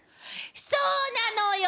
そうなのよ！